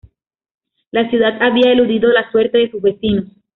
La ciudad había eludido la suerte de sus vecinos.